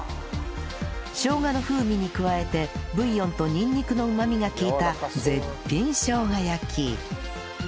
しょうがの風味に加えてブイヨンとにんにくのうまみが効いた絶品しょうが焼き